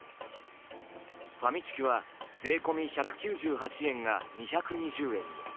ファミチキは税込み１９８円が２２０円に。